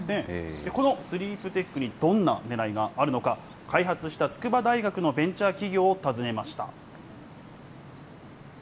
このスリープテックにどんなねらいがあるのか、開発した筑波大学のベンチャー企業を訪ねました。